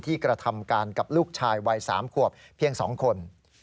กระทำการกับลูกชายวัย๓ขวบเพียง๒คน